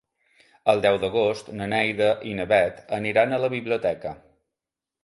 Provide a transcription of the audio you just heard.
El deu d'agost na Neida i na Bet aniran a la biblioteca.